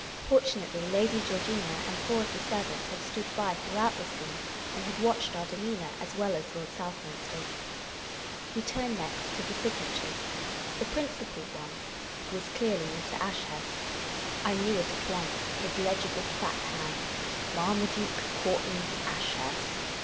Fortunately, Lady Geor gina and four of the ser vants had stood by throughout this scene, and had watched our demean o u r , as well as Lord Southminster's. We turned next to the signatures. The princi pal one was clearly Mr. Ashurst's — I knew it at once — his legible fat hand, " Marmaduke Courtney Ashurst."